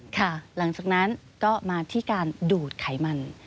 หลังจากนั้นก็มาที่การดูดไขมัน